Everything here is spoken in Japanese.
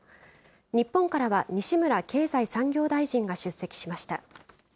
日本からは西村経済産業大臣が出席しました。